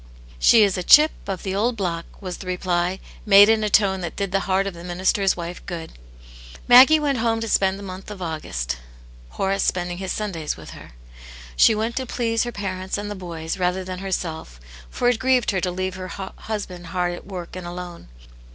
" She is a chip of the old block !" was the reply, made in a tone that did the heart of the minister's wife good. Maggie went home to spend the month of August — Horace spending his Sundays with her. She went to please her parents and the boys, rather than her self, for it grieved her to leave her husband hard at work and alone.